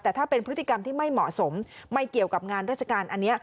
แต่ถ้าเป็นพฤติกรรมที่ไม่เหมาะสมไม่เกี่ยวกับงานราชการอันนี้